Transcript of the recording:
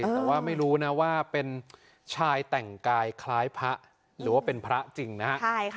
แต่ว่าไม่รู้นะว่าเป็นชายแต่งกายคล้ายพระหรือว่าเป็นพระจริงนะฮะ